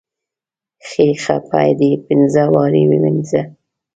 خۍ خپه دې پينزه وارې ووينزه.